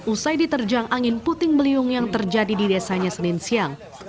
usai diterjang angin puting beliung yang terjadi di desanya senin siang